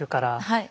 はい。